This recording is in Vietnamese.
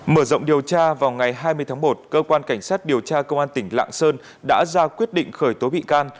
mở rộng điều tra vào ngày hai mươi tháng một cơ quan cảnh sát điều tra công an tỉnh lạng sơn đã ra quyết định khởi tố bị can